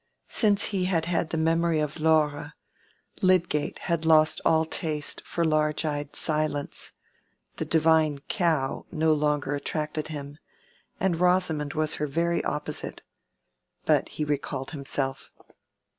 Since he had had the memory of Laure, Lydgate had lost all taste for large eyed silence: the divine cow no longer attracted him, and Rosamond was her very opposite. But he recalled himself.